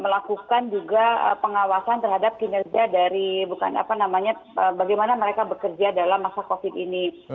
melakukan juga pengawasan terhadap kinerja dari bukan apa namanya bagaimana mereka bekerja dalam masa covid ini